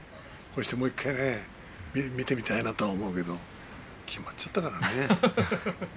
もう１回見てみたいなと思うけれど優勝が決まっちゃったからね。